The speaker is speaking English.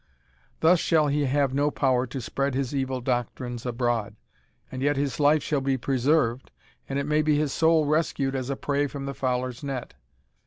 Thus shall he have no power to spread his evil doctrines abroad, and yet his life shall be preserved, and it may be his soul rescued as a prey from the fowler's net.